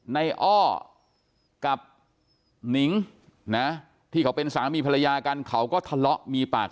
อ้อกับหนิงนะที่เขาเป็นสามีภรรยากันเขาก็ทะเลาะมีปาก